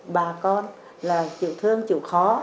bà con là chịu thương chịu khó